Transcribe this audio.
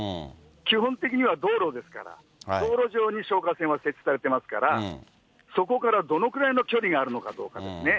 基本的には道路ですから、道路上に消火栓は設置されていますから、そこからどのくらいの距離があるのかどうかですね。